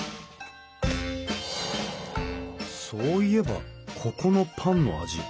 そういえばここのパンの味